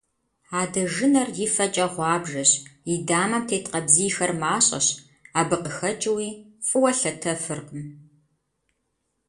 Адэжынэр и фэкӏэ гъуабжэщ, и дамэм тет къабзийхэр мащӏэщ, абы къыхэкӏууи фӏыуэ лъэтэфыркъым.